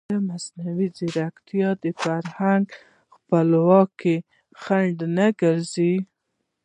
ایا مصنوعي ځیرکتیا د فرهنګي خپلواکۍ خنډ نه ګرځي؟